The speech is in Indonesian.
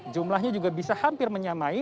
jumlahnya juga bisa hampir menyamai